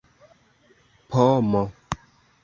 pomo